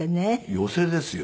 寄席ですよ。